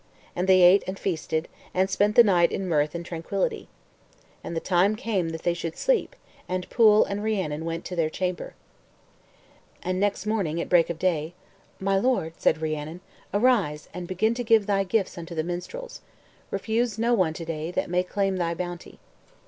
And they ate and feasted, and spent the night in mirth and tranquility. And the time came that they should sleep, and Pwyll and Rhiannon went to their chamber. And next morning at break of day, "My lord," said Rhiannon, "arise and begin to give thy gifts unto the minstrels. Refuse no one to day that may claim thy bounty."